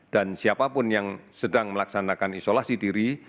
dan siapapun yang sedang melaksanakan isolasi diri